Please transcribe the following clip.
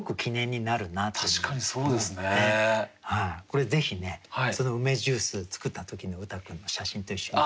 これぜひねその梅ジュースを作った時の羽汰君の写真と一緒に。